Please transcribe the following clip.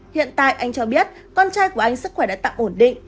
hiện tại anh cho biết con trai của anh sức khỏe đã tạm ổn định